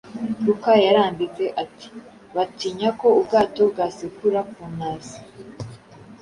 Luka yaranditse ati, “Batinya ko ubwato bwasekura ku ntaza,